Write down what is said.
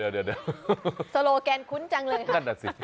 เดี๋ยวโซโลแกนคุ้นจังเลยค่ะ